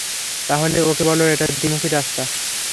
তাহলে ওকে বলো এটা দ্বিমুখী রাস্তা।